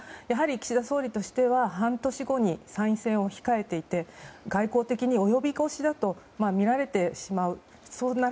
やはり岸田総理としては半年後に参院選を控えていて参院選に及び腰だとみられてしまう。